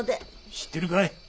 知ってるかい？